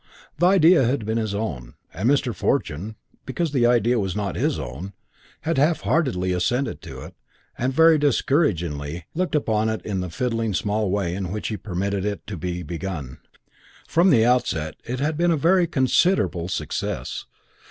The idea had been his own, and Mr. Fortune, because the idea was not his own, had very half heartedly assented to it and very disencouragingly looked upon it in the fiddlingly small way in which he permitted it to be begun. From the outset it had been a very considerable success.